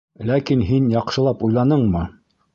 Ләкин һин яҡшылап уйланыңмы?